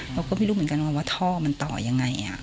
เราก็ไม่รู้เหมือนกันว่าท่อมันต่อยังไง